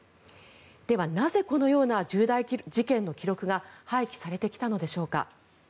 ではなぜこのような重大事件の記録が廃棄されてきたのでしょうか。